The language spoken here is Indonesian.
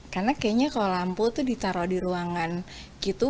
karena kayaknya kalau lampu itu ditaruh di ruangan gitu